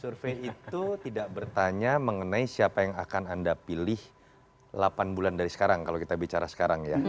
survei itu tidak bertanya mengenai siapa yang akan anda pilih delapan bulan dari sekarang kalau kita bicara sekarang ya